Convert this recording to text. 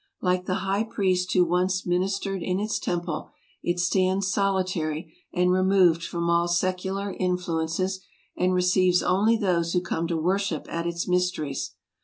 Like the high priest who once ministered in its temple, it stands soli tary and removed from all secular influences, and receives only those who come to worship at its mysteries.